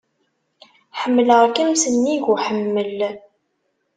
Ḥemmleɣ-kem s nnig uḥemmel.